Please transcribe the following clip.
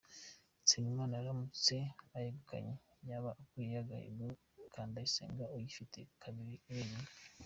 Nsengimana aramutse ayegukanye yaba akuyeho agahigo ka Ndayisenga uyifite kabiri wenyine.